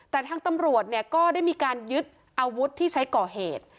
แต่ทางตำรวจเนี่ยก็ได้มีการยึดอาวุธที่ใช้ก่อเหตุ